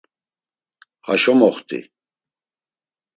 Haşo moxt̆i.